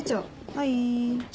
はい。